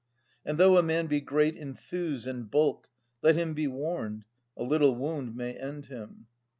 And though a man be great in thews and bulk, Let him be warned: a little wound may end him.